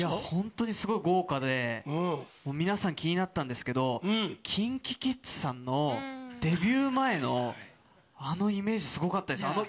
本当にすごい豪華で、これ、皆さん、気になったんですけど、ＫｉｎｋｉＫｉｄｓさんのデビュー前の、あのイメージ、すごかったです。